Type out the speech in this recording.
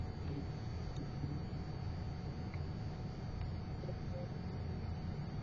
现任男友为马来西亚演员盛天俊。